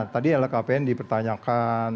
tadi lkpn dipertanyakan